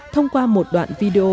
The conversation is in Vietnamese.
thông qua một đoạn video